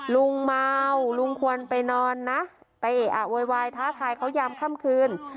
ลุงเมาลุงควรไปนอนนะไปเอะอะโวยวายท้าทายเขายามค่ำคืน